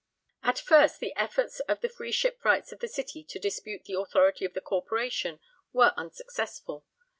At first the efforts of the free shipwrights of the City to dispute the authority of the Corporation were unsuccessful.